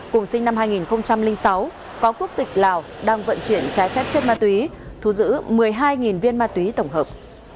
cùng sinh năm hai nghìn sáu có quốc tịch lào đang vận chuyển trái phép chất ma túy thu giữ một mươi hai viên ma túy tổng hợp